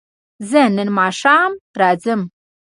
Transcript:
زه نن ماښام راځم